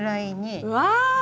うわ！